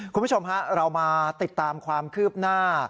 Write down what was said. คุณผู้ชมฮะเรามาติดตามความคืบหน้า